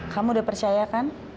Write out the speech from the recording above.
kamu udah percaya kan